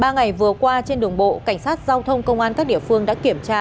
ba ngày vừa qua trên đường bộ cảnh sát giao thông công an các địa phương đã kiểm tra